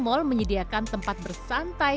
mal menyediakan tempat bersantai